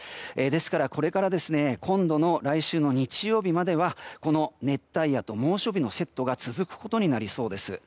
ですから、これから来週の日曜日までは熱帯夜と猛暑日のセットが続くことになりそうです。